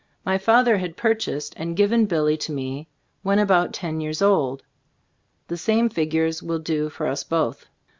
My father had purchased and given Billy to me when about ten years old. The same figures will do for us both.